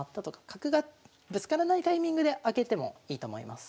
角がぶつからないタイミングで開けてもいいと思います。